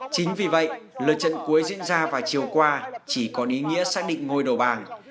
chính vì vậy lượt trận cuối diễn ra vào chiều qua chỉ có ý nghĩa xác định ngôi đầu bảng